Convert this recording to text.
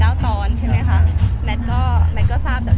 แม็กซ์ก็คือหนักที่สุดในชีวิตเลยจริง